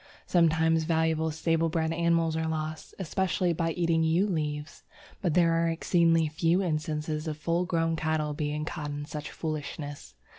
Sometimes valuable stable bred animals are lost, especially by eating yew leaves, but there are exceedingly few instances of full grown cattle being caught in such foolishness.